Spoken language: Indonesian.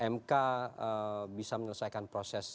mk bisa menyelesaikan proses